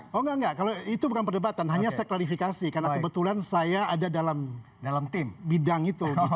oh enggak enggak kalau itu bukan perdebatan hanya saya klarifikasi karena kebetulan saya ada dalam bidang itu